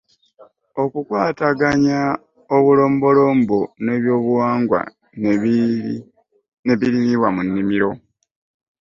Okukwataganya obulombolombo n’ebyobuwangwa ne birimibwa mu nnimiro.